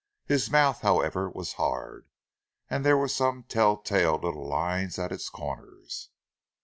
His mouth, however, was hard, and there were some tell tale little lines at its corners.